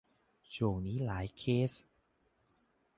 ช่วงนี้หลายเคส